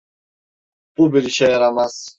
Bu bir işe yaramaz.